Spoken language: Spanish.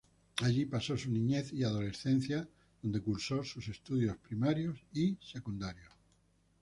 Allí pasó su niñez y adolescencia donde cursó sus estudios primarios y secundarios.